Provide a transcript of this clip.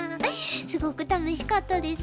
すごく楽しかったです。